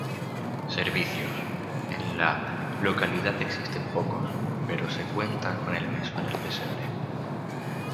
Servicios: En la localidad existen pocos, pero se cuenta con el Mesón el Pesebre.